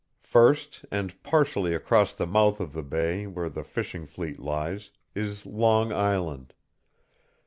First, and partially across the mouth of the bay where the fishing fleet lies, is Long Island.